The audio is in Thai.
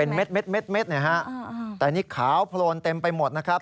เม็ดนะฮะแต่นี่ขาวโพลนเต็มไปหมดนะครับ